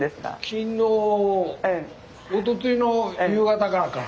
昨日おとといの夕方からか。